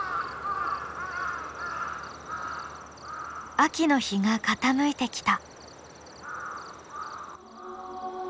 秋の日が傾いてきた。